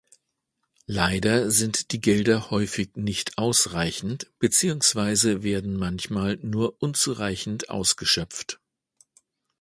Leider sind die Gelder häufig nicht ausreichend beziehungsweise werden manchmal nur unzureichend ausgeschöpft.